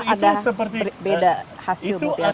apakah ada berbeda hasil mutiaranya